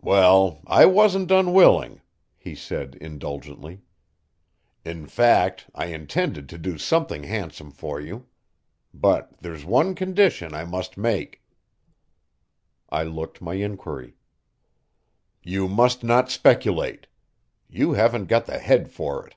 "Well, I wasn't unwilling," he said indulgently. "In fact, I intended to do something handsome for you. But there's one condition I must make." I looked my inquiry. "You must not speculate. You haven't got the head for it."